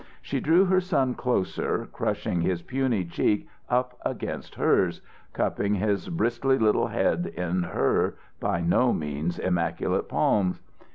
She drew her son closer, crushing his puny cheek up against hers, cupping his bristly little head in her by no means immaculate palms.